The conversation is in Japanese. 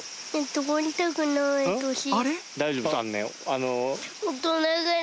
あれ？